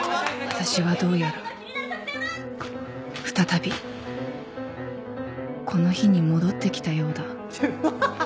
私はどうやら再びこの日に戻ってきたようだハハハ！